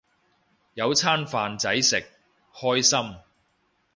有餐飯仔食，開心